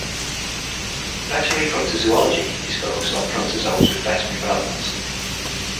Veterinary protozoology is focused on protozoas with veterinary relevance.